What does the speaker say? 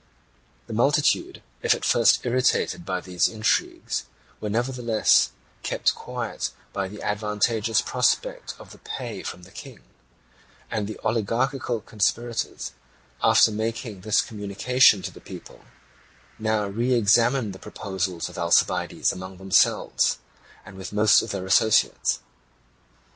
The multitude, if at first irritated by these intrigues, were nevertheless kept quiet by the advantageous prospect of the pay from the King; and the oligarchical conspirators, after making this communication to the people, now re examined the proposals of Alcibiades among themselves, with most of their associates.